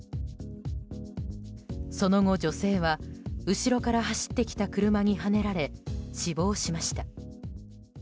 その後、女性は後ろから走ってきた車にはねられ死亡しました。